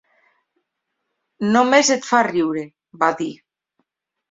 "Només et fa riure", va dir.